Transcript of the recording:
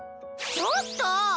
ちょっとぉ！